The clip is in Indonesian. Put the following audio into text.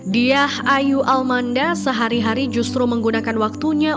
diah ayu almanda sehari hari justru menggunakan waktunya